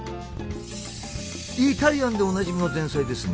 イタリアンでおなじみの前菜ですね。